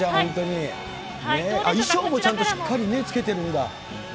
衣装もちゃんとしっかり着けてるんだ。